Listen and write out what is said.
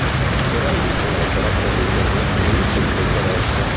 Corallina opera per il bene altrui senza interesse.